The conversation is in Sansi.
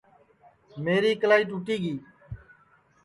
میری اِکلائی ٹُوٹی گی